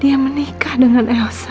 dia menikah dengan elsa